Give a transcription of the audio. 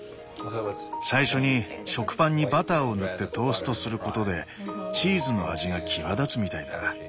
最初に食パンにバターを塗ってトーストすることでチーズの味が際立つみたいだ。